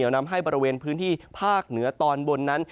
นำให้บริเวณพื้นที่ภาคเหนือตอนบนนั้น